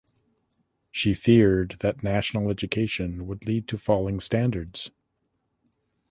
She feared that national education would lead to falling standards.